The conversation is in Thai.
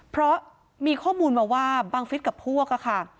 เพราะมีข้อมูลมาว่าบังฟิศกับพวกค่ะ